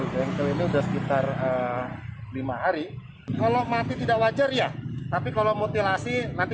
bengkel ini udah sekitar lima hari kalau mati tidak wajar ya tapi kalau mutilasi nanti